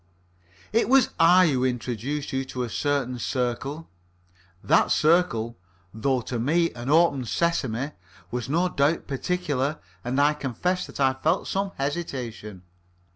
It was I who introduced you to a certain circle. That circle, though to me an open sessimy, was no doubt particular, and I confess that I felt some hesitation.